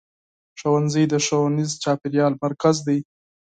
ښوونځی د ښوونیز چاپېریال مرکز دی.